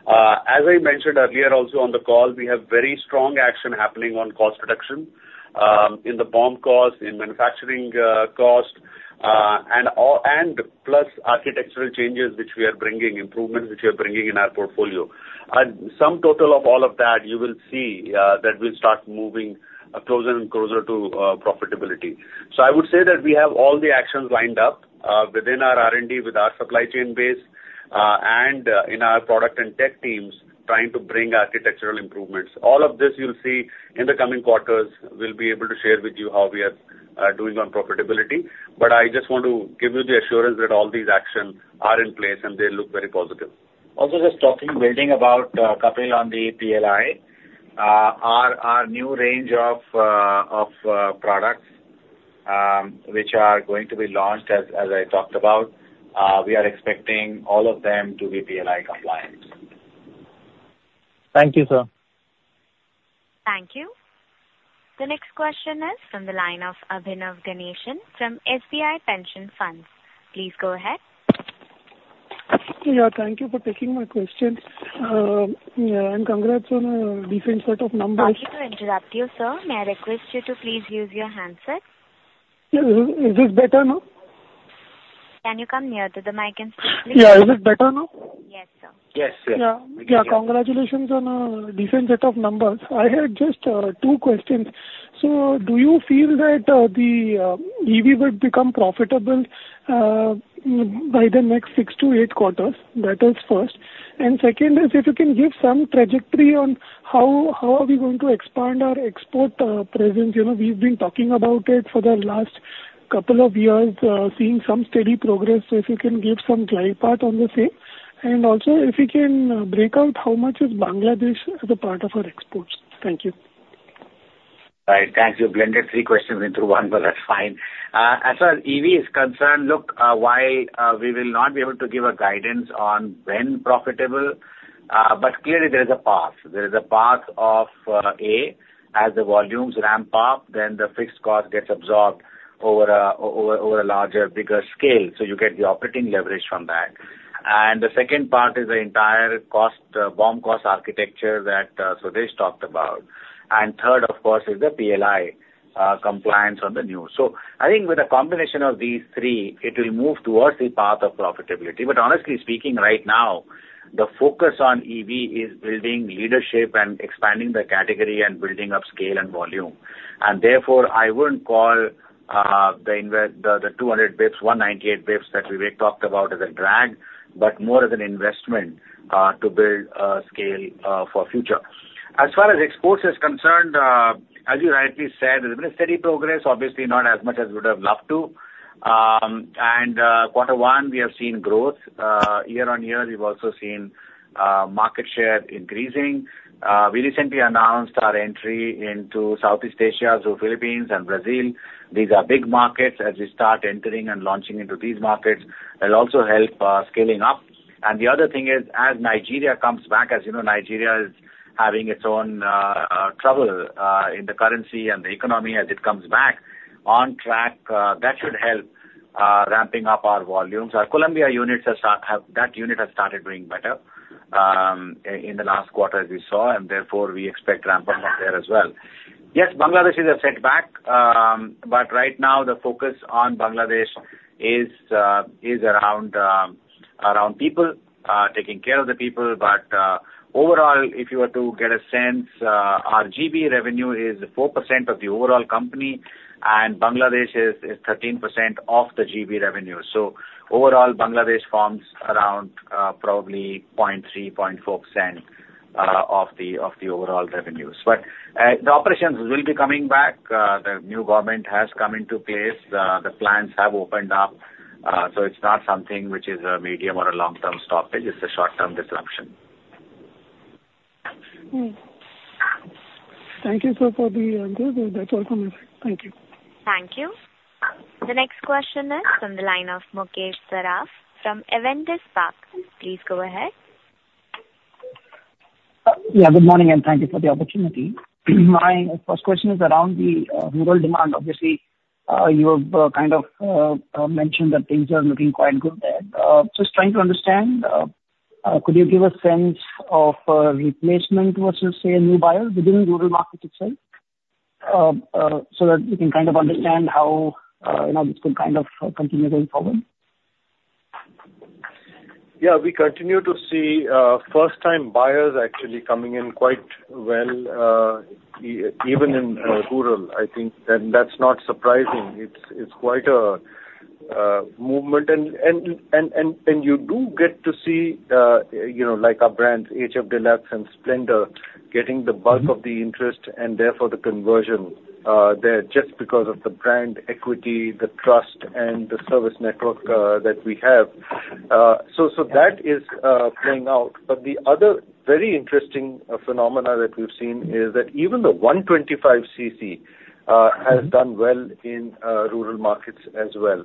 S7: As I mentioned earlier, also on the call, we have very strong action happening on cost reduction in the BOM cost, in manufacturing costs and all, and plus architectural changes, which we are bringing, improvements which we are bringing in our portfolio. And sum total of all of that, you will see that we'll start moving closer and closer to profitability. So I would say that we have all the actions lined up, within our R&D, with our supply chain base, and in our product and tech teams, trying to bring architectural improvements. All of this you'll see in the coming quarters. We'll be able to share with you how we are doing on profitability. But I just want to give you the assurance that all these actions are in place, and they look very positive.
S4: Also, just talking about Kapil on the PLI. Our new range of products, which are going to be launched, as I talked about, we are expecting all of them to be PLI compliant.
S10: Thank you, sir.
S1: Thank you. The next question is from the line of Abhinav Ganeshan from SBI Pension Funds. Please go ahead.
S11: Yeah, thank you for taking my question. Yeah, and congrats on a different set of numbers.
S1: Sorry to interrupt you, sir. May I request you to please use your handset?
S11: Yeah. Is this better now?
S1: Can you come near to the mic and speak, please?
S11: Yeah. Is it better now?
S1: Yes, sir. Yes.
S11: Yeah. Yeah, congratulations on a different set of numbers. I had just two questions. So do you feel that the EV will become profitable by the next six to eight quarters? That is first. And second is, if you can give some trajectory on how we are going to expand our export presence? You know, we've been talking about it for the last couple of years, seeing some steady progress. If you can give some glide path on the same, and also if you can break out how much is Bangladesh as a part of our exports. Thank you.
S4: Right. Thank you. Blended three questions into one, but that's fine. As far as EV is concerned, look, while we will not be able to give a guidance on when profitable, but clearly there is a path. There is a path of, A, as the volumes ramp up, then the fixed cost gets absorbed over a larger, bigger scale, so you get the operating leverage from that. And the second part is the entire cost, BOM cost architecture that Swadesh talked about. And third, of course, is the PLI compliance on the new. So I think with a combination of these three, it will move towards the path of profitability. But honestly speaking, right now, the focus on EV is building leadership and expanding the category and building up scale and volume. Therefore, I wouldn't call the 200 basis points, 198 basis points, that Vivek talked about as a drag, but more as an investment to build scale for future. As far as exports is concerned, as you rightly said, there's been a steady progress, obviously not as much as we would have loved to. And quarter one, we have seen growth. Year-on-year, we've also seen market share increasing. We recently announced our Entry into Southeast Asia, so Philippines and Brazil. These are big markets. As we start entering and launching into these markets, it'll also help scaling up. The other thing is, as Nigeria comes back, as you know, Nigeria is having its own trouble in the currency and the economy as it comes back on track, that should help ramping up our volumes. Our Colombia units—That unit has started doing better, in the last quarter as we saw, and therefore we expect ramp up out there as well. Yes, Bangladesh is a setback, but right now the focus on Bangladesh is around people taking care of the people. But overall, if you were to get a sense, our GB revenue is 4% of the overall company, and Bangladesh is 13% of the GB revenue. So overall, Bangladesh forms around probably 0.3%-0.4% of the overall revenues. But, the operations will be coming back. The new government has come into place. The plants have opened up. So it's not something which is a medium or a long-term stoppage. It's a short-term disruption.
S11: Hmm. Thank you, sir, for the good welcome message. Thank you.
S1: Thank you. The next question is from the line of Mukesh Saraf from Avendus Spark. Please go ahead.
S12: Yeah, good morning, and thank you for the opportunity. My first question is around the rural demand. Obviously, you've kind of mentioned that things are looking quite good there. Just trying to understand, could you give a sense of replacement versus, say, a new buyer within rural market itself? So that we can kind of understand how you know, this could kind of continue going forward.
S6: Yeah, we continue to see first-time buyers actually coming in quite well, even in rural. I think that that's not surprising. It's quite a movement, and you do get to see, you know, like our brands, HF Deluxe and Splendor, getting the bulk of the interest and therefore the conversion there just because of the brand equity, the trust, and the service network that we have. So that is playing out. But the other very interesting phenomena that we've seen is that even the 125cc has done well in rural markets as well.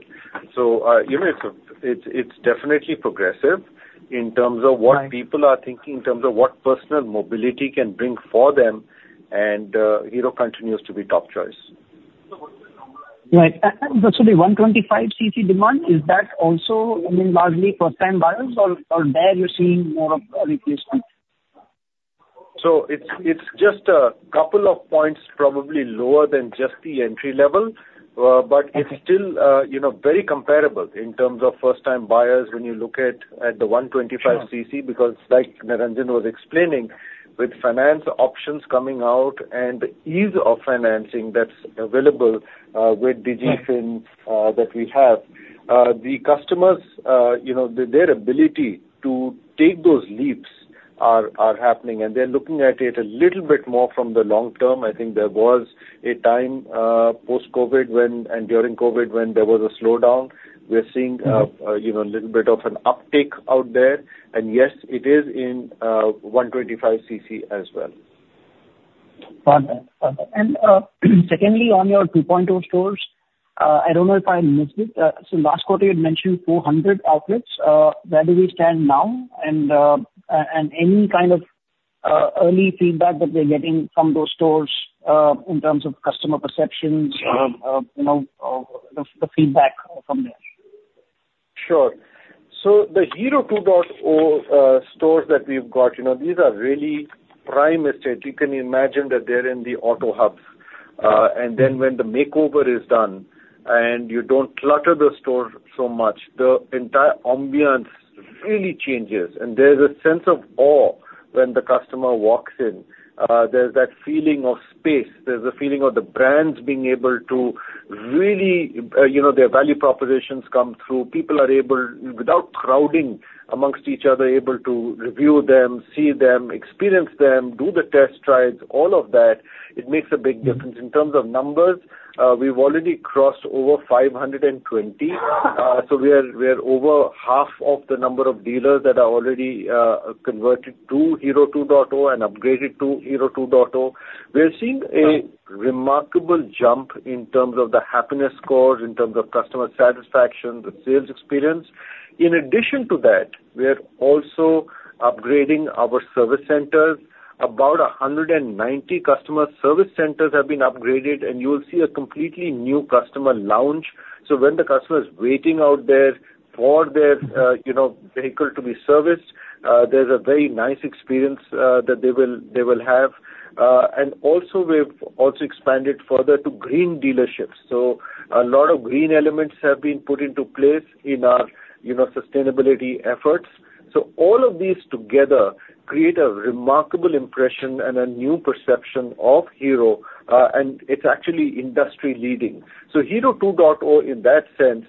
S6: So you know, it's definitely progressive in terms of what-
S12: Right.
S6: People are thinking, in terms of what personal mobility can bring for them, and Hero continues to be top choice.
S12: Right. So the 125cc demand, is that also, I mean, largely first-time buyers, or there you're seeing more of a replacement?
S6: So it's just a couple of points, probably lower than just the Entry level, but it's still, you know, very comparable in terms of first-time buyers when you look at the 125cc. Because like Niranjan was explaining, with finance options coming out and the ease of financing that's available with DigiFin that we have, the customers, you know, their ability to take those leaps are happening, and they're looking at it a little bit more from the long term. I think there was a time post-COVID when and during COVID, when there was a slowdown. We are seeing, you know, a little bit of an uptick out there. And yes, it is in 125cc as well.
S12: Got that. Got that. And, secondly, on your 2.0 stores, I don't know if I missed it. So last quarter you had mentioned 400 outlets. Where do we stand now? And, and any kind of early feedback that we're getting from those stores, in terms of customer perceptions, you know, the feedback from there?
S6: Sure. So the Hero 2.0 stores that we've got, you know, these are really prime estate. You can imagine that they're in the auto hubs. And then when the makeover is done and you don't clutter the store so much, the entire ambiance really changes, and there's a sense of awe when the customer walks in. There's that feeling of space. There's a feeling of the brands being able to really, you know, their value propositions come through. People are able, without crowding amongst each other, able to review them, see them, experience them, do the test rides, all of that. It makes a big difference. In terms of numbers, we've already crossed over 520. So we are over half of the number of dealers that are already converted to Hero 2.0, and upgraded to Hero 2.0. We are seeing a remarkable jump in terms of the happiness scores, in terms of customer satisfaction, the sales experience. In addition to that, we are also upgrading our service centers. About 190 customer service centers have been upgraded, and you will see a completely new customer lounge. So when the customer is waiting out there for their, you know, vehicle to be serviced, there's a very nice experience that they will have. And also we've also expanded further to green dealerships. So a lot of green elements have been put into place in our, you know, sustainability efforts. So all of these together create a remarkable impression and a new perception of Hero, and it's actually industry leading. So Hero 2.0, in that sense,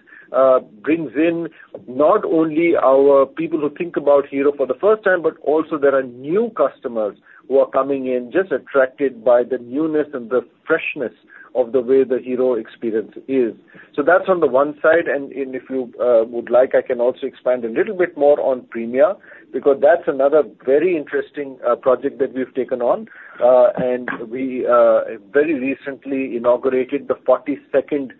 S6: brings in not only our people who think about Hero for the first time, but also there are new customers who are coming in, just attracted by the newness and the freshness of the way the Hero experience is. So that's on the one side, and if you would like, I can also expand a little bit more on Premia, because that's another very interesting project that we've taken on. And we very recently inaugurated the 42nd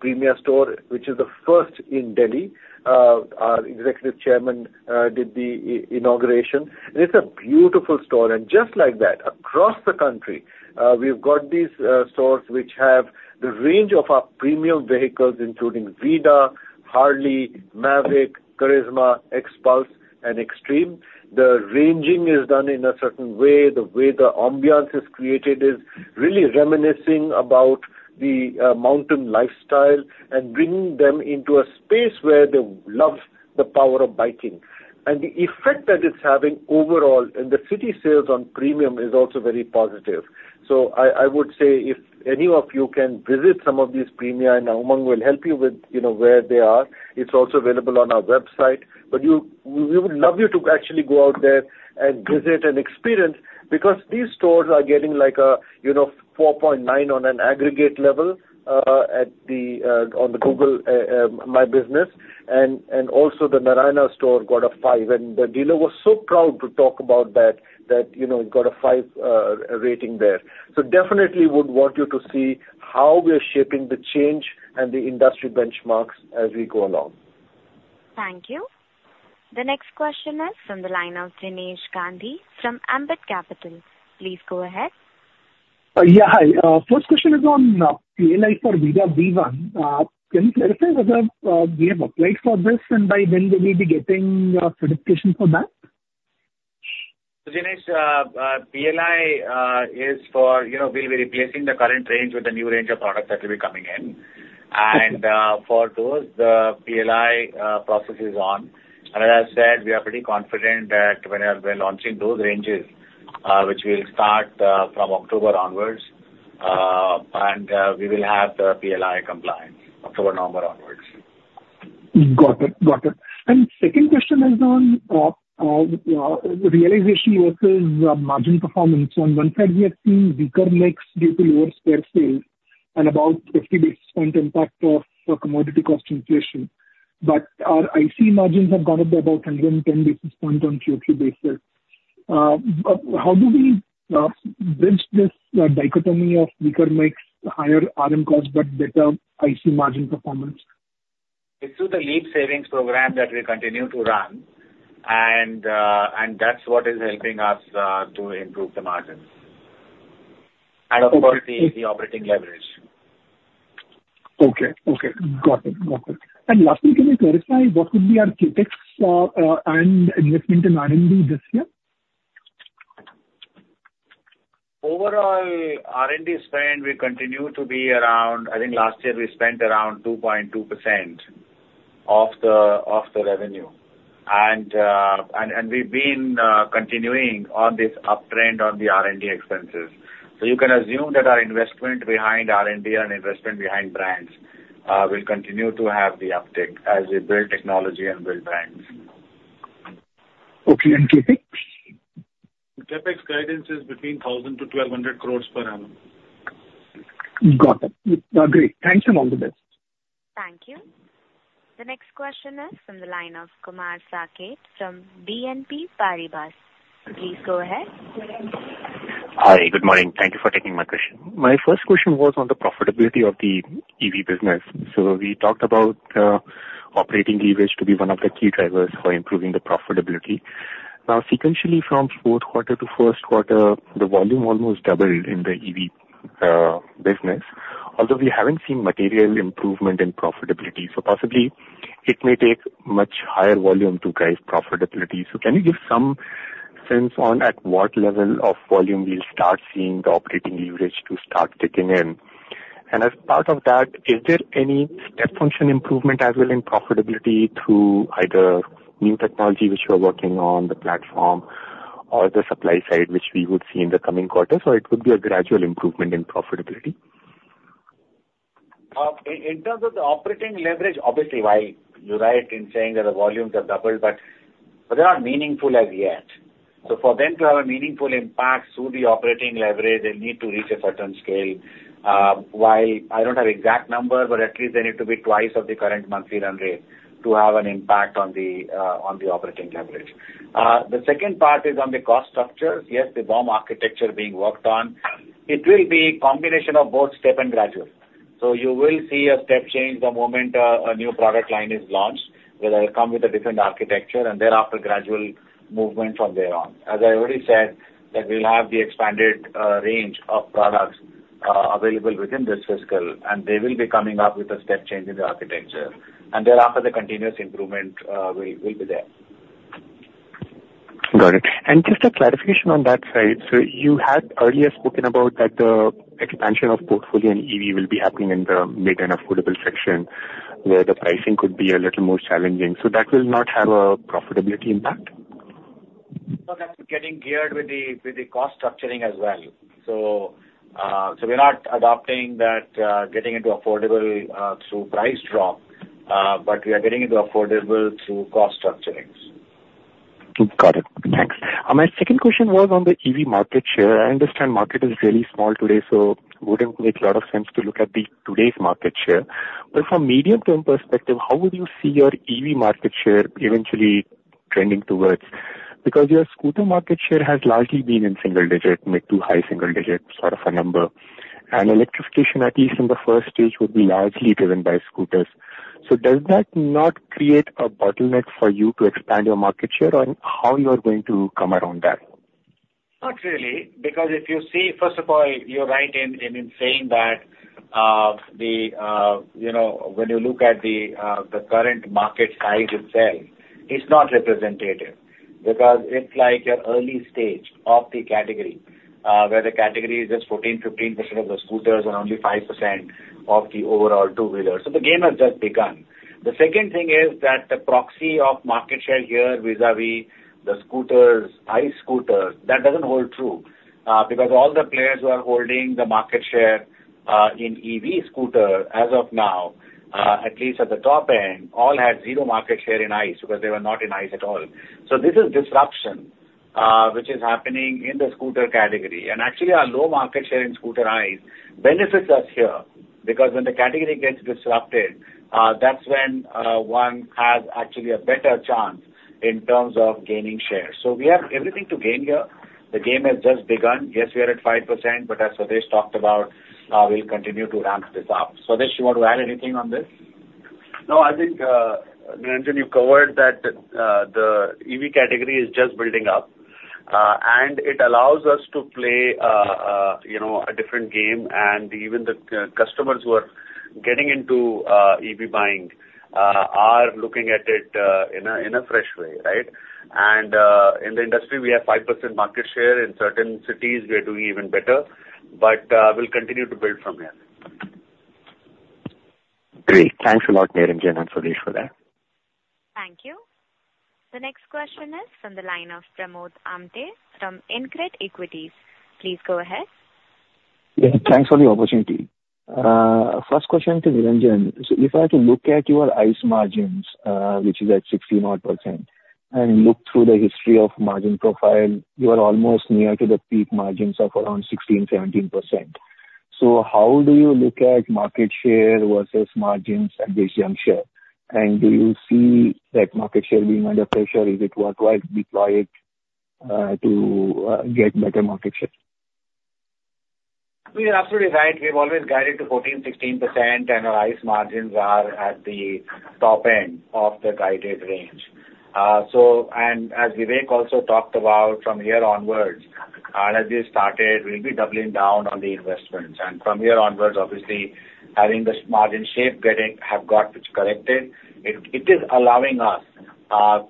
S6: Premia store, which is the first in Delhi. Our Executive Chairman did the inauguration. And it's a beautiful store. Just like that, across the country, we've got these stores which have the range of our Premium vehicles, including Vida, Harley, Mavrick, Karizma, Xpulse and Xtreme. The ranging is done in a certain way. The way the ambiance is created is really reminiscing about the mountain lifestyle and bringing them into a space where they love the power of biking. The effect that it's having overall, and the city sales on Premium is also very positive. So I, I would say if any of you can visit some of these Premia, and Umang will help you with, you know, where they are. It's also available on our website. But we would love you to actually go out there and visit and experience, because these stores are getting like a, you know, 4.9 on an aggregate level on the Google My Business. And also the Naraina store got a 5, and the dealer was so proud to talk about that, you know, it got a 5 rating there. So definitely would want you to see how we are shaping the change and the industry benchmarks as we go along.
S1: Thank you. The next question is from the line of Jinesh Gandhi from Ambit Capital. Please go ahead.
S13: Yeah, hi. First question is on PLI for Vida V1. Can you clarify whether we have applied for this, and by when will we be getting certification for that?
S4: So, Jinesh, PLI is for, you know, we'll be replacing the current range with a new range of products that will be coming in. And, for those, the PLI process is on. And as I said, we are pretty confident that whenever we're launching those ranges, which we'll start from October onwards, and we will have the PLI compliance October, November onwards.
S13: Got it. Got it. And second question is on realization versus margin performance. On one side, we are seeing weaker mix due to lower two-wheeler sales and about 50 basis point impact of commodity cost inflation. But our ICE margins have gone up by about 110 basis points on QoQ basis. How do we bridge this dichotomy of weaker mix, higher RM costs, but better ICE margin performance?
S4: It's through the LEAP savings program that we continue to run, and that's what is helping us to improve the margins. Of course, the operating leverage.
S13: Okay, okay. Got it. Got it. And lastly, can you clarify what would be our CapEx and investment in R&D this year?
S4: Overall, R&D spend will continue to be around. I think last year we spent around 2.2% of the revenue. And we've been continuing on this uptrend on the R&D expenses. So you can assume that our investment behind R&D and investment behind brands will continue to have the uptick as we build technology and build brands.
S13: Okay, thank you.
S5: CapEx guidance is between 1,000 crore-1,200 crore per annum.
S13: Got it. Great. Thanks, and all the best.
S1: Thank you. The next question is from the line of Kumar Rakesh from BNP Paribas. Please go ahead.
S14: Hi, good morning. Thank you for taking my question. My first question was on the profitability of the EV business. So we talked about, operating leverage to be one of the key drivers for improving the profitability. Now, sequentially, from fourth quarter to first quarter, the volume almost doubled in the EV, business, although we haven't seen material improvement in profitability. So possibly it may take much higher volume to drive profitability. So can you give some sense on at what level of volume we'll start seeing the operating leverage to start kicking in? And as part of that, is there any step function improvement as well in profitability through either new technology which you are working on, the platform or the supply side, which we would see in the coming quarters, or it could be a gradual improvement in profitability?
S4: In terms of the operating leverage, obviously, while you're right in saying that the volumes have doubled, but they're not meaningful as yet. So for them to have a meaningful impact through the operating leverage, they need to reach a certain scale. While I don't have exact number, but at least they need to be twice of the current monthly run rate to have an impact on the operating leverage. The second part is on the cost structure. Yes, the BOM architecture being worked on. It will be a combination of both step and gradual. So you will see a step change the moment a new product line is launched, where they'll come with a different architecture, and thereafter, gradual movement from there on. As I already said, that we'll have the expanded range of products available within this fiscal, and they will be coming up with a step change in the architecture. Thereafter, the continuous improvement will be there.
S14: Got it. And just a clarification on that side. So you had earlier spoken about that the expansion of portfolio in EV will be happening in the mid and affordable section, where the pricing could be a little more challenging, so that will not have a profitability impact?
S4: No, that's getting geared with the cost structuring as well. So, we're not adopting that, getting into affordable through price drop, but we are getting into affordable through cost structurings.
S14: Got it. Thanks. My second question was on the EV market share. I understand market is really small today, so wouldn't make a lot of sense to look at the today's market share. But from medium-term perspective, how would you see your EV market share eventually trending towards? Because your scooter market share has largely been in single digits, mid to high single digits, sort of a number. And electrification, at least in the first stage, would be largely driven by scooters. So does that not create a bottleneck for you to expand your market share, and how you are going to come around that?
S4: Not really, because if you see, first of all, you're right in saying that, you know, when you look at the current market size itself, it's not representative. Because it's like an early stage of the category, where the category is just 14%-15% of the scooters and only 5% of the overall two-wheeler. So the game has just begun. The second thing is that the proxy of market share here vis-à-vis the scooters, e-scooters, that doesn't hold true, because all the players who are holding the market share in EV scooter as of now, at least at the top end, all had zero market share in ICE because they were not in ICE at all. So this is disruption, which is happening in the scooter category. Actually, our low market share in scooter ICE benefits us here, because when the category gets disrupted, that's when one has actually a better chance in terms of gaining share. So we have everything to gain here. The game has just begun. Yes, we are at 5%, but as Swadesh talked about, we'll continue to ramp this up. Swadesh, you want to add anything on this?
S7: No, I think, Niranjan, you covered that, the EV category is just building up. And it allows us to play, you know, a different game, and even the customers who are getting into EV buying are looking at it in a fresh way, right? And in the industry, we have 5% market share. In certain cities, we are doing even better, but we'll continue to build from here.
S14: Great. Thanks a lot, Niranjan and Swadesh, for that.
S1: Thank you. The next question is from the line of Pramod Amthe from InCred Equities. Please go ahead.
S15: Yeah, thanks for the opportunity. First question to Niranjan. So if I had to look at your ICE margins, which is at 16-odd%, and look through the history of margin profile, you are almost near to the peak margins of around 16, 17%. So how do you look at market share versus margins at this juncture? And do you see that market share being under pressure? Is it worthwhile to deploy it, to get better market share?
S4: You're absolutely right. We've always guided to 14%-16%, and our ICE margins are at the top end of the guided range. So and as Vivek also talked about, from here onwards, as we started, we'll be doubling down on the investments. And from here onwards, obviously, having this margin shape, getting it corrected, it is allowing us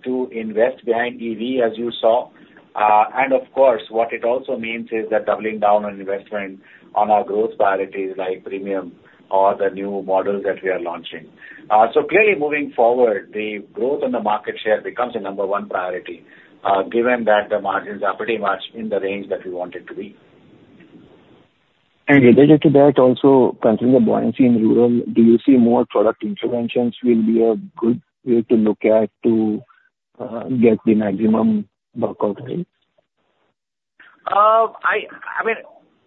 S4: to invest behind EV, as you saw. And of course, what it also means is that doubling down on investment on our growth priorities like Premium or the new models that we are launching. So clearly, moving forward, the growth in the market share becomes the number one priority, given that the margins are pretty much in the range that we want it to be.
S15: Related to that also, considering the buoyancy in rural, do you see more product interventions will be a good way to look at to get the maximum workout rate?
S4: I mean,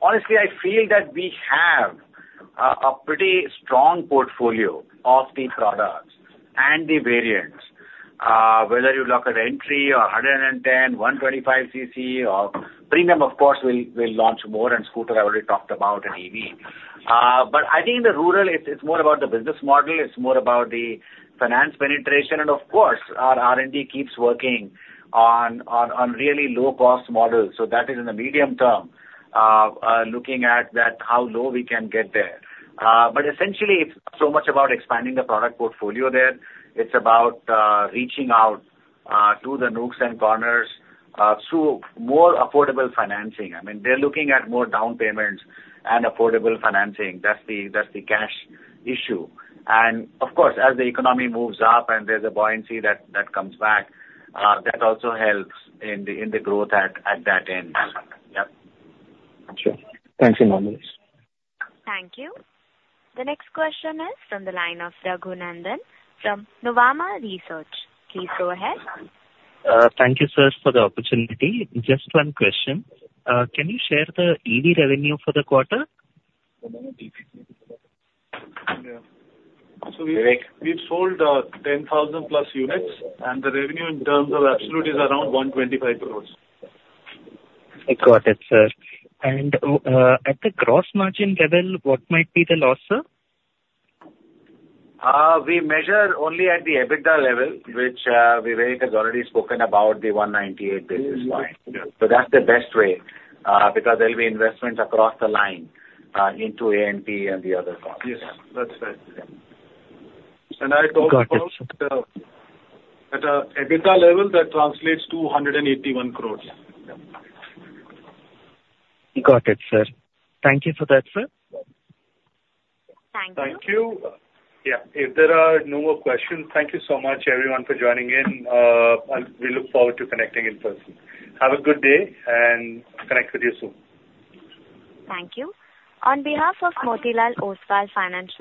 S4: honestly, I feel that we have a pretty strong portfolio of the products and the variants. Whether you look at Entry or 110, 125cc or Premium, of course, we'll launch more, and scooter, I already talked about an EV. But I think the rural, it's more about the business model, it's more about the finance penetration. And of course, our R&D keeps working on really low-cost models, so that is in the medium term, looking at that, how low we can get there. But essentially, it's so much about expanding the product portfolio there. It's about reaching out to the nooks and corners through more affordable financing. I mean, they're looking at more down payments and affordable financing. That's the cash issue. Of course, as the economy moves up and there's a buoyancy that comes back, that also helps in the growth at that end. Yep.
S15: Sure. Thanks a million.
S1: Thank you. The next question is from the line of Raghunandhan from Nuvama Institutional Equities. Please go ahead.
S16: Thank you, sir, for the opportunity. Just one question. Can you share the EV revenue for the quarter?
S3: Yeah. So Vivek?
S5: We've sold 10,000+ units, and the revenue in terms of absolute is around 125 crore.
S16: I got it, sir. At the gross margin level, what might be the loss, sir?
S4: We measure only at the EBITDA level, which, Vivek has already spoken about the 198 basis points.
S16: Mm-hmm. Yeah.
S4: So that's the best way, because there'll be investments across the line into A&P and the other costs.
S3: Yes, that's right.
S16: Got it.
S5: I talked about at the EBITDA level, that translates to 181 crore.
S16: Got it, sir. Thank you for that, sir.
S1: Thank you.
S3: Thank you. Yeah, if there are no more questions, thank you so much everyone for joining in. We look forward to connecting in person. Have a good day, and connect with you soon.
S1: Thank you. On behalf of Motilal Oswal Financial-